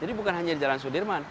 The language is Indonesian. jadi bukan hanya di jalan sudirman